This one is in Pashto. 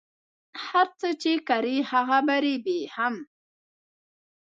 هر څه چی کری هغه به ریبی هم